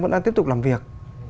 vẫn đang tiếp tục làm việc